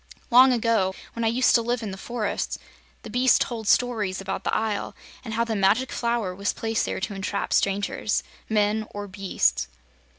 "Long ago, when I used to live in the forests, the beasts told stories about the Isle and how the Magic Flower was placed there to entrap strangers men or beasts."